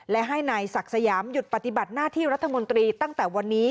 และให้นายศักดิ์สยามหยุดปฏิบัติหน้าที่รัฐมนตรีตั้งแต่วันนี้